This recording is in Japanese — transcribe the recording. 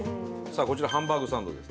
こちらハンバーグサンドです。